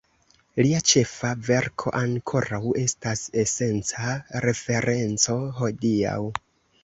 Lia ĉefa verko ankoraŭ estas esenca referenco hodiaŭ.